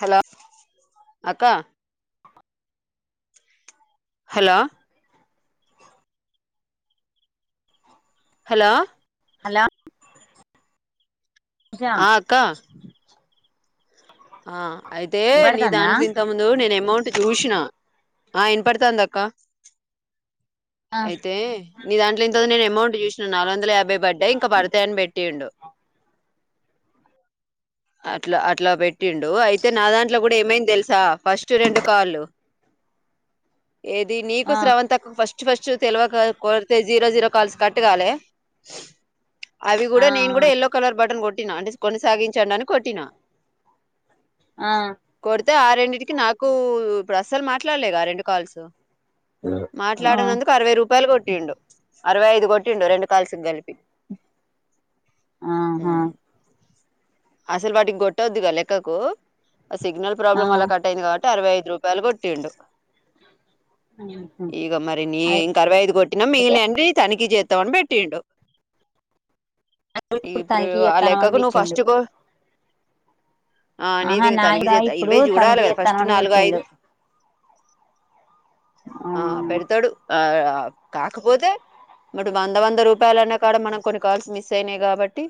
Hello అక్క hello hello hello Pooja ఆ అక్క ఆ అయితే నీ వినపడుతుందా దాంట్లో ఇంత ముందు నేను ఎమౌంట్ చూసినా ఆ ఇనపడతాంద అక్క ఆ అయితే నీ దాంట్లో ఏంత నేను అమౌంట్ చూసిన నాలుగు వందల యాభై పడ్డయి ఇంకా పడతాయని పెట్టిండు అట్లా అట్లా పెట్టిండు అయితే నా దాంట్లో కూడా ఏమైంది తెలుసా ఫస్ట్ రెండు కాలు ఏది నీకు ఆ శ్రవణ్ తక్కకు ఫస్ట్ ఫస్ట్ ఫస్ట్ తెలవక కొరితే జీరో జీరో కాల్స్ కట్టుగాలే అవి ఆ కూడా నేను కూడా యల్లో కలర్ బటన్ కొ కొట్టి నా కొనసాగించండి అని కొటిిన ఆ అయితే ఆ రెండింటికి నాకు ఇప్పుడు అస్సలు మాట్లాడలేదు ఆ రెండు కాల్స్ ఆ మాట్లాడనందుకు అరవై రూపాయలు కొట్టిండు అరవై ఐదు కొట్టిండు రెండు కాల్సి కలిపి ఆహా ఉమ్, అసలు వాటికి కొొట్టోద్దుగా లెక్కకు ఆ సిగ్ నల్ ఆ ప్రాబ్లం అలా కట్ అయింది కాబటి అరవై ఐదు రూపాయలు కొట్టిండు ఇగ మరి నీ అయి ఇంకా అరవై ఐదు కొట్టి నమ్ మిగిలిన అన్ని తనాఖి ఎంజేస్తావు అని పెట్టిండు ఇప్పుడు తనకి ఆ ఇత్తనమని లెక్కకు నువ్వు పెట్టిండు ఫస్ట్ గో ఆహా ఇంక నాయి తనిఖీ రా చేస్తా ఇప్పుడు ఇరవై చూడాలి తనకి కదా చేస్తాను ఫస్ట్ అని నాలుగు ఐదు కొట్టిండు ఆ పెడ్ తాడు ఆ కాకపోతే మరి అటు వంద వంద రూపాయలు అన్నా కాడ మనం కొన్ని కాల్స్ మిస్ అయినాయి కాబట్టి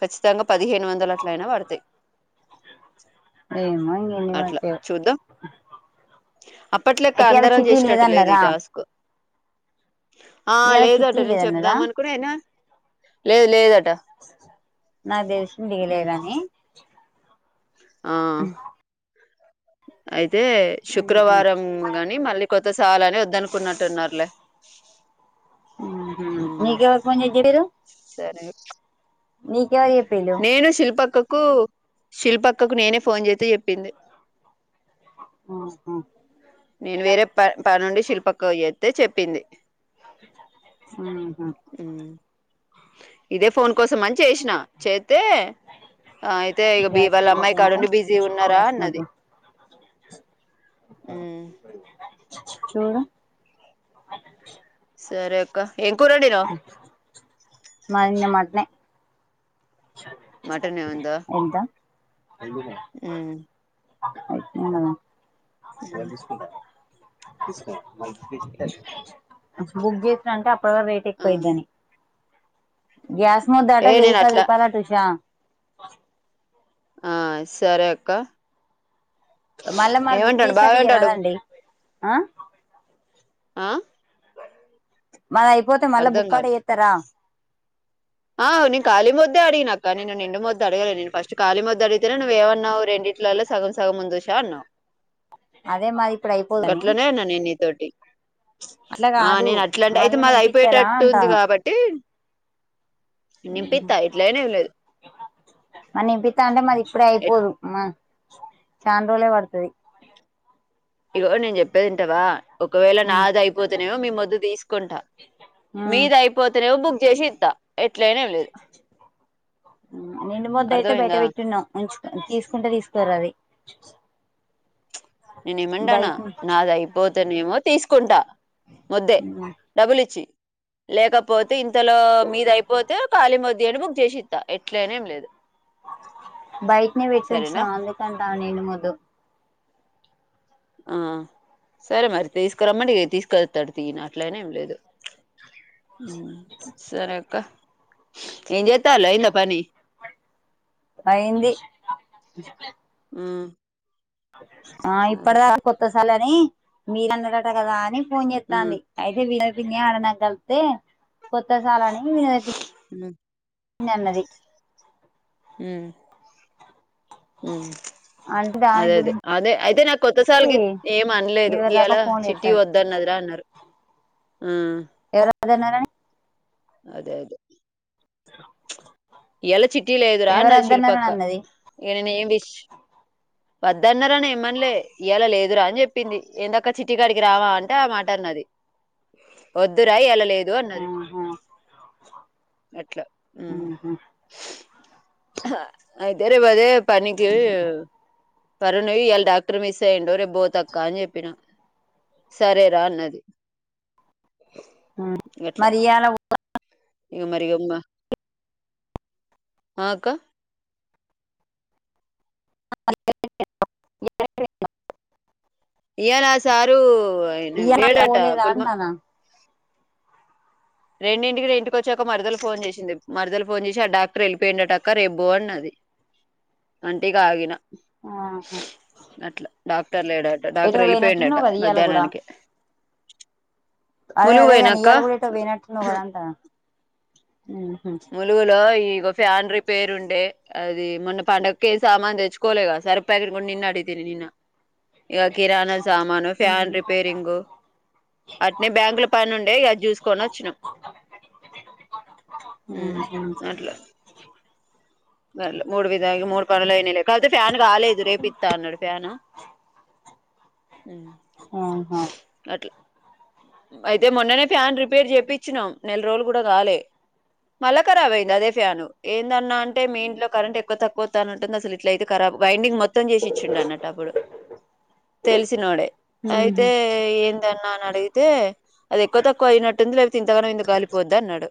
ఖచ్చితంగా పదిహేను వంద ఏమే ఇంగ అట్లా ఎన్నిబటే చూద్దాం అప్పట్లెక్క అయితేలా అందరం చిట్టి చేసేటట్టు లేదు లేదన్నర ఈ టాస్క్ ఆ లేదంట నేను లేదన్నారా చెప్దాం అనుకున్నా అయిన లేదు లేదు అట్ నాక్క్ తెల్ శ్ [inaudible] వీల్ ఉమ్ లేదని ఆ ఆయిత్ అయితే ఉహు శుక్రవారం గని మళ్ళీ కొ ఇంత చాలని వద్దనుకున్నట్టున్నారులే ఉహు ఉమ్ నీకు ఎవరు ఫోన్ చేసి చెప్పిరు సరే మీ నేను శిల్ప అక్కకు కు శిల్పక్కకు నేనే ఫోన్ చేసి చెప్పింది ఆహా నేను వేరే ప పనీ ఉండి శిల్ప అక్కకు చెత్తే చెప్పింది ఆహా ఉమ్ ఇదే ఫోన్ కోసం అని చేసినా చేత్తే అయితే ఇగా బి గ్యాస్ వాళ్ళ మొద్దు అమ్మాయి కాడ ఎంత ఉండి బిజీగా ఉన్నారా గ్యాస్ అన్నది మొద్దు ఉ చూడ సరేక్క మది నీన్న మటన్ ఏ మటన్ ఏ ఉందా ఎంత ఊ అయిపోయి [unintelligible] హ్మ్. [unintelligible] తీసుకుంటా తీసుకున్నావా మరి [unintelligible] బుక్ చేసినంటే [unintelligible] రేట్ ఆ! ఎక్కువ అయిద్దాని గ్యాస్ ముద్దాటా ఏ వెయ్యి నేను పది అట్లా రూపాయలంట ఉషా బ ఆ సరే అక్క మళ్ళా మరి బుక్ ఏమంటాడు చేసిన ఆటు ఇయా బాగేమంటాడు రాదండి ఆ ఆ మరీ అయిపోతే మళ్ళా అర్ధం బుక్ అంట కాలే చేస్తారా ఆ నేను ఖాళీ మొద్దే అడిగిన అక్కా నిండు మొద్దు అడగలే నేను ఫస్ట్ కాలి మొద్దు అడిగితేనే నువ్వు ఏమన్నావు రెండింటిలలో సగం సగం ఉంది ఉషా అన్నావు అదే మాది ఇప్పుడు అయిపోదని గాట్లనే అన్న నీతోటి అట్లా ఆ కాదు నేను అట్లాంటే అయితే మళ్ళా మాది నింపిస్తారా అయిపోయేటట్టుంది కాబట్టి ఉహు నింపిత్తా ఇట్లైనా ఏం లేదు మరి నింపిస్తా అంటే మది ఇప్పుడే ఎట్ అయిపోదు చాన్ రోజు లే పడుతది ఇగో నేను చెప్పేది వింటావా ఒకవేళ ఉమ్ నాది అయిపోతునేవో మీ మద్దు తీసుకుంటా మీద అయిపోతేనేవో బుగ జషీద్ద నిం మొద్ద అయితే బయట అర్థమైందా పెట్టిన్నాంచ తీసుకుంటే తీసుకోరా అది నిన్న మంటానా నాది అయిపోతే అనేమో తీసుకుంటా ముద్దే ఉమ్ డబ్బులిచ్చి లేకపోతే ఇంతలో మీద అయిపోతే ఖాళీ మదుీ అని బుక్ చేసి ఇస్తా ఎట్లనేం లేదు బయటిని పెట్టించిన సరేనా అందుకంటా నేను వధు ఆ సరే మరి తీసుకురమ్మడి తీసుకెళ్తాడు తయన అట్లయినే ఏం లేదు సరే ఇ చెత లేంద పనీ అయింది మ్మ్ ఆ ఇప్పుడుదా కొత్త సాల్ అని మీరన్నట కదా అని ఫోన్ చేస్తాంది అయితే నేను ఇదే ఆడ నక్ దొరికితే కొత్త సాల్ నీ అ అది పన్నది మ్మ్ అంటే దాని అదే అదే గురించి అదే అయితే నాకు కొత్తసార్కి ఏం అనలేదు ఎవరి దాకా ఇవాలా ఫోన్ చిటీ చేత్తది వద్దన్నదిరా అన్నారు ఆ, ఎవరు అదేనారా అదే అదే తరా ఎలచిట్ వటీల ఎదురా నా అది శిల్పక్క అన్నది ఏ న ఏం విష వద్దన్నారని ఏమనలే ఇవలా లేదు వద్దురా అని చెప్పింది ఎందక్క చిటీకాడికి రావా అంటే ఆ మాట అన్నది వద్దురా ఎలా లేదు ఇదో అన్నది ఆహా అట్లా ఆహా అయితే రే మదే పనికి పరును ఇలా డాక్టర్ మిస్ అయి్యండు రేపుపోతక్క అని చెప్పిన సరేరా అన్నది అట్లా మరి ఈ అలా ఉ ఇక మరిగొమ్మా ఆ అక్క! [unintelligible] ఏల సారూ! ఈ [unintelligible] పోలేదాంటాన్న రెండింటికి ఇంటికి వచ్చాక మరదలు ఫోన్ చేసింది. మరదలు ఫోన్ చేసి ఆ డాక్టర్ వెళ్ళిపోయిండటక్క రేపు బో అన్నది. అంటె ఇక ఆగిన. ఆహా అట్లా డాక్టర్ లేడట. ఎటో డాక్టర్ వెళ్ళిపోయిండట పోయినట్టున్నావు కదా ఇయాల కూడా మధ్యాహ్నానికే. ములుగుపోయినాక్క. నవు కదా అంటన ములుగులో ఈగో ఫ్యాండ్రి పేరుండే అది మొన్న పండగకి ఏ సామాను తెచ్చుకోలే కద సరుపు ప్యాకెట్ నిన్న అడిగితే నిన్న. ఇక కిరాణా సామాను ఫ్యాన్ రిపేరింగ్ అట్నె బ్యాంకుల పని ఉండే ఇక చూసుకొని వచ్చినం హ్మ్మ్ ఆహా అట్లా అ మూడు విధా మూడు పనులైనైలె. కాకపోతే ఫ్యాన్ కాలేదు రేపిత్త అన్నాడు ఫ్యాను అట్లా అయితే మొన్ననే ఫ్యాన్ రిపేర్ చెప్పచ్చినాం నెల రోజులు కూడా కాలే మళ్ళా కరాబ్ అయ్యింది అదే ఫ్యాన్ ఏందన్నా అంటే? మీ ఇంట్లో కరెంట్ ఎక్కువ తక్కువ వత్తనట్టుంది అస ఇట్లయితే కరాబ్ వైండింగ్ మొత్తం మొత్తం చేసిచ్చిండు అన్నట్టు అప్పుడు తెలిసినోడే అయితే ఏందన్నా అని అడిగి ఏ అది ఎక్కువ తక్కువ అయినట్టుంది లేకపోతే ఇంతగానం ఎందుకు కాలిపోద్ది అన్నాడు.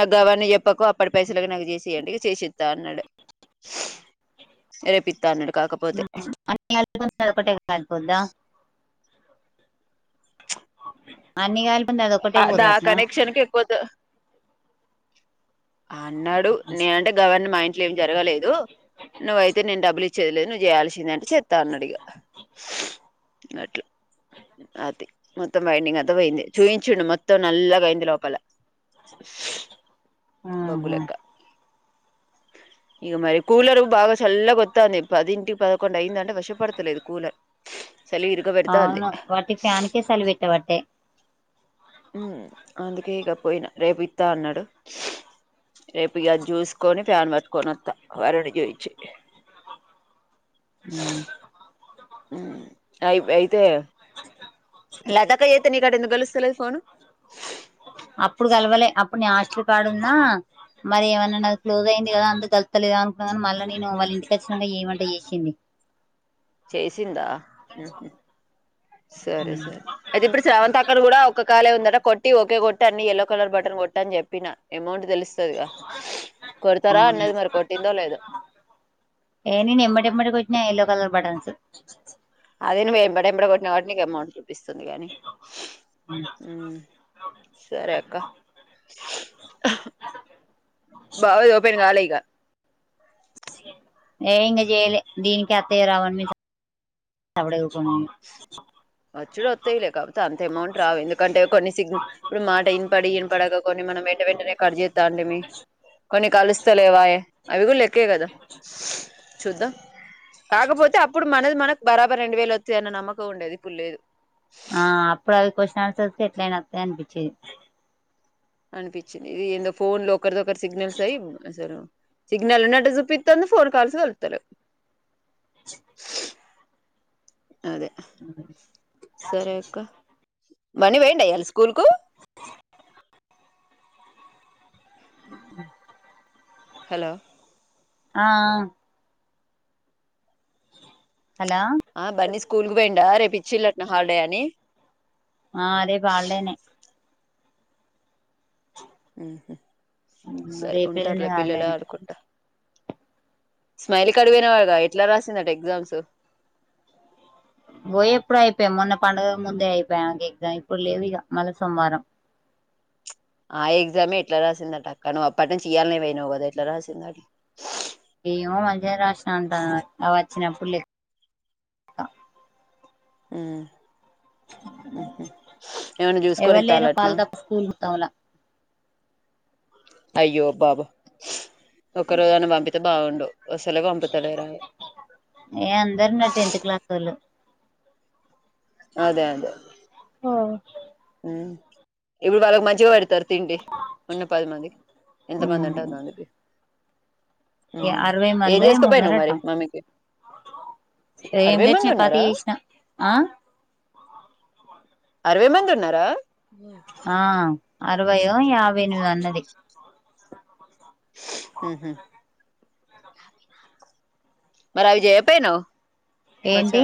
నాకు గవన్ని చెప్పకు అప్పటి పైసలకి నాకు చేసి ఇయ్యండి చేసిత్తా అన్నాడు రేపిత్తా అన్నాడు కాకపోతే అ [unintelligible] పోద్దా అన్ని గాల్ అదా కనెక్షన్ కే ఎక్కువ త అన్నాడు నే అంటే గవన్ని మా ఇం ఏం జరగలేదు. నువ్వుయితే నేను డబ్బులు ఇచ్చేలే నువ్వు చేయాల్సిందే అం చెేత్త అన్నడిగా అట్ల అది మొత్తం బైండింగ్ అంతా పోయింది చూయించుండు మొత్తం నల్లగా అయింది లోపల [unintelligible] ఆహా బగ్గులెక్క ఇక మరి కూలరు బాగా చల్ల గొత్తంది పదింటి పదకొండు అయింది అంటే కష్టపడతలేదు కూలర్ చలి ఇరుకపెడతాంది అవును వాటి ఫ్యాన్ కే సలి పెట్టబట్టే ఉ మ్ అందుకే ఇక పోయిన రేపు ఇత్తా అన్నాడు రేపు ఇగ అది చూసుకొని ఫ్యాన్ పట్కొని వత్తా వరుడు చూయిచ్చి హ్మ్మ్ మ్ అయి అయితే లత అక్క చేస్తే నీకు ఆట ఎందుకు కలుస్త లేదు అప్పుడు కలవలే అప్పుడు నేనూ ఆశ క పాడున్నా మరి ఏమన్నా నా క్లోజ్ అయింది కదా అందుకు కలుతలేదా అనుకున్నానీ మళ్ళీ నేను వాళ్ళ ఇంటికి వచ్చినక ఏమంటే చేసింది చేసిందా ఉహు సరే సరే అయితే ఇప్పుడు స్రవంతి అక్క కూడా ఒక కాలే ఉందట కొట్టి ఓకే కొట్టి అన్ని ఎల్లో కలర్ బటన్ కొట్ట అని చెప్పిన అమౌంట్ తెలుస్తదిగా కొడతారా అన్నది మరి కొట్టిందో లేదో బట్టన్స్ అదిే నువు ఎంబాటి ఎంబటి కొట్టినావ్ నీకు అమౌంట్ స్తుంది కాని హ్మ్మ్ సరే అక్క బావ ఓపెన్ కాలే ఇన్ దా ఏ ఇం చేయలే దీనికి అత్తయో రావో అని మేం సప్పుడేంక ఉకున్నాం వచ్చుడు వత్తాయిలే కాకపోతే అంత అమౌంట్ రావు ఎందుకంటే కొన్ని సిగ్ ఇప్పుడు మాట ఇన పడి ఈన పడగా కొన్ని మనం వెంట వెంటనే కట్ చేస్త అండి మీ కొన్ని కలుస్తలేవాయ అవి కూడా లెక్క కదా చూద్దాం కాకపోతే అప్పుడు మన మనకు బరాబర్ రెండు వేలు వస్తుంది అన్న నమ్మకం ఉండేది తప్పు లేదు ఆ అప్పుడు అవి క్వశ్చన్ ఆన్సర్స్ ఎట్లయి అనిపించేది అనిపించింది ఇది ఏందో ఫోన్ లో ఒకరి దొ ఒకరు సిగ్నల్స్ అయి అసలు సిగ్నల్ ఉన్నట్టు చూపిస్తుంది ఫోన్ కాల్స్ కలుస్తలేవ్ అదే సరేక్క మనీ పోయిండా ఇయ్యాల స్కూల్ కు హ హలో ఆ హలో ఆ బన్నీ స్కూల్ పోయిండా రేపిించ చిల్లట్న హార్డే అని ఆ అదే రేపు హాలిడేనే ఉహు హ్మ్మ్ రేపు ఎల్లుండి హాలిడేనే స్మైల్ కడువన వాడుగా ఎట్లా రాసిందట ఎగ్జామ్స్ పోయి ఎప్పుడు అయిపోయాం మొన్న పండుగ ముందే అయిపోయాంక ఎగ్జామ్ ఇప్పుడు లేవు ఇక మళ్ళీ సోమవారం ఆ ఎగ్జామ్ ఎట్లా రాసిందట అక్క నువ్ అప్పటిం ఇయ్యాలనే పోయినావు కదా ఎట్లా రాసింద అ ఏమో మంచిగానే రాసిన అంటా అ వచ్చినప్పుడు హ్మ్మ్ ఏమన్నా చూసుకొని ఇత్తాలటన [unintelligible] అయ్యో బాబో ఒక రోజు అన్న పంపితే బాగుండు అసలే పంపుతలేరాయే ఏ అందరు నా టెన్త్ క్లాసొళ్ళు అదే అదే ఆ ఇప్పుడు వాళ్ళకు మంచిగా పడుతు తరు తిండి ఉన్న పది మంది ఎంత మంది ఉంటే ఉమ్ అంత మందికి అరవై మ్ఏం మందో ఏమో చేసుకపోయినవ్ ఉన్నారట మరి మమ్మీకి ఏం అరవై లే మంది చపాతీ చేసిన ఆ అరవే మంది ఉన్నా ఆ ఆ అరవయో యాభై ఎనిమిదో అన్నది మ్ హు మరి అవి చేయకపోయినవ్ ఏంటి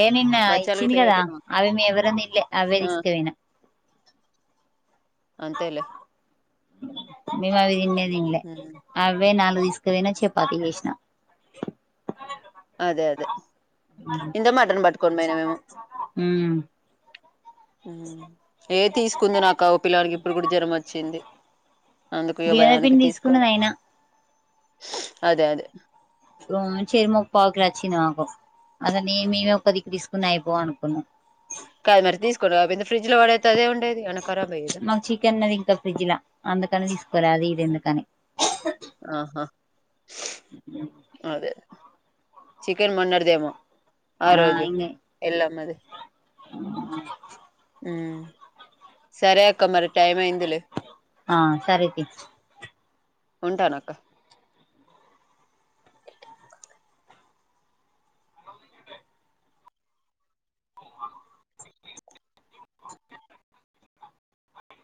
ఏ నిన్న బచ్చాలు ఇచ్చింది గిట్ల కదా చేయపోయినవా? అవి మేం ఎవ్వరం తినలే అవ్వే ఆ తీసుకుపోయిన అంతేలే మేం అవి తిన్నె తిన్లే హ్మ్. అవే నాలుగు తీసుకపో యినా చపాతీ చేసిన అదే అదే ఇంత మటన్ పట్టుకోని పోయినా మేము ఉమ్ మ్ ఏ తీసుకుందును అక్క పిలగానికి ఇప్పుడు కూడా జ్వరం వచ్చింది అందుకు ఇగ భయానికి [unintelligible] తీసుకోలే. తీసుకున్నది అయినా అదే అదే చెరి ముప్పావుకిల వచ్చింది మాకు అంత నీ మీద ఒకదిక్కు తీసుకున్న అయిపోవు అనుకున్నా కాదు మరి తీసుకోని రాకపోయింది ఫ్రిడ్జ్ లో వాడేత్తే అదే ఉంట మాకు చికెన్ ఉన్నది ఇంకా ఫ్రిడ్జ్ లా అందుకని తీసుకోలే అది ఇది ఎందుకని ఆహా అదే చికెన్ మొన్నటిదేమో ఆ ఆరోజు ఇంగే ఎల్లమ్మ ది మ్ సరే క్క మరి టైం అయిందిలే ఆ సరే తీ ఉంటానక్క